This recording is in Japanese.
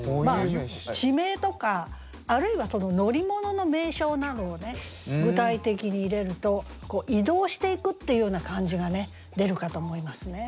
地名とかあるいは乗り物の名称などを具体的に入れると移動していくっていうような感じが出るかと思いますね。